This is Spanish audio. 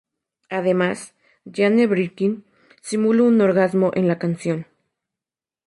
Además, Jane Birkin simula un orgasmo en la canción.